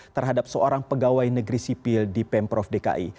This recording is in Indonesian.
terhadap seorang pegawai negeri sipil di pemprov dki